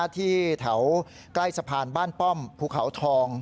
ที่แถวใกล้สะพานบ้านป้อมภูเขาทอง